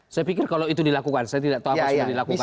saya pikir kalau itu dilakukan saya tidak tahu apa sudah dilakukan